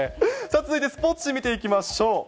続いてスポーツ紙見ていきましょう。